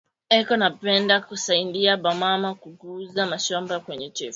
Eko na penda ku saidiya ba mama ku uza ma mashamba kwa chefu